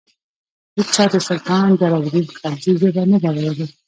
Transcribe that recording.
هیچا د سلطان جلال الدین خلجي ژبه نه ده ویلي.